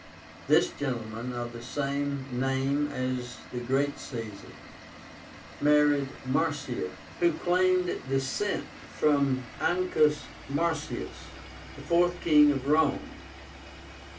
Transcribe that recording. This gentleman, of the same name as the great Caesar, married Marcia, who claimed descent from Ancus Marcius, the fourth King of Rome.